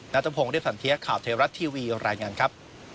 นัทพงศ์เรียบสันเทียข่าวไทยรัฐทีวีรายงานครับ